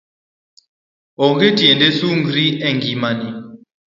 Ong'e tiende sungri e ng'imani